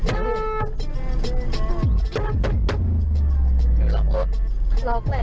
อื้อหลอกแล้ว